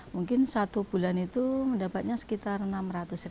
mungkin satu bulan itu mendapatnya sekitar enam tujuh bulan